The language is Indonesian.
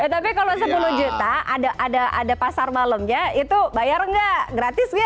tapi kalau rp sepuluh juta ada pasar malam ya itu bayar nggak gratis nggak